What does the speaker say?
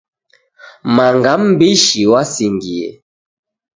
Manga mbishi wasingiye.